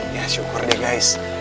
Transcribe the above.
ya syukur deh guys